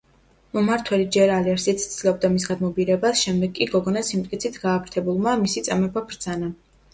მმართველი ჯერ ალერსით ცდილობდა მის გადმობირებას, შემდეგ კი, გოგონას სიმტკიცით გააფთრებულმა, მისი წამება ბრძანა.